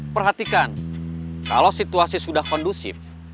perhatikan kalau situasi sudah kondusif